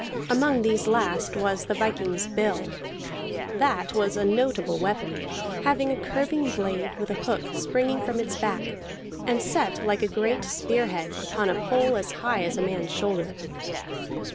Among these last was the viking's bill. That was a notable weapon, having a curving blade with a hook springing from its back, and set like a great spearhead upon a pole as high as a man's shoulder.